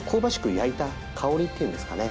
焼いた香りっていうんですかね